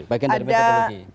bagian dari metodologi